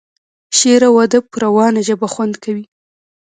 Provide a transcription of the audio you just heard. شعر او ادب په روانه ژبه خوند کوي.